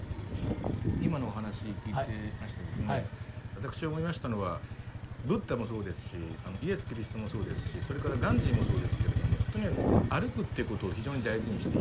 私が思いましたのはブッダもそうですしイエス・キリストもそうですしそれからガンジーもそうですけれどもとにかく歩くってことを非常に大事にしていた。